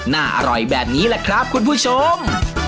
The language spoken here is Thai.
หน้าอร่อยแบบนี้แหละครับคุณผู้ชม